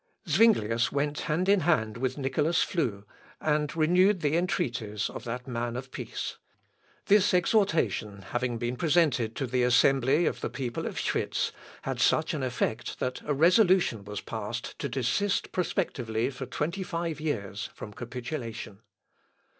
" Zuinglius went hand in hand with Nicolas Flue, and renewed the entreaties of that man of peace. This exhortation having been presented to the assembly of the people of Schwitz had such an effect that a resolution was passed to desist prospectively for twenty five years from capitulation.